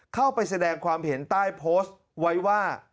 เข้าไปแสดงความเห็นใต้โพสต์ไว้ว่า